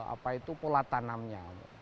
apa itu pola tanamnya